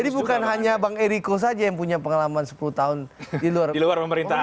jadi bukan hanya bang eriko saja yang punya pengalaman sepuluh tahun di luar pemerintahan